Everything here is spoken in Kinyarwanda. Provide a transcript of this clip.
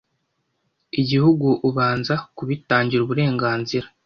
Igihugu abanza kubitangira uburenganzira